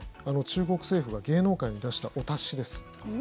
中国政府が芸能界に出したお達しです。